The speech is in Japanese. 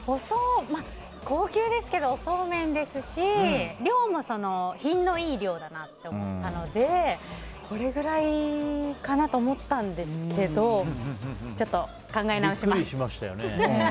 高級ですけどおそうめんですし量も品のいい量だと思ったのでこれくらいかなと思ったんですけどビックリしましたよね。